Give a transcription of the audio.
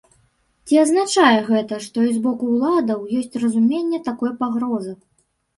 Ці азначае гэта, што і з боку ўладаў ёсць разуменне такой пагрозы?